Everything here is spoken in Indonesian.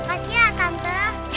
makasih ya tante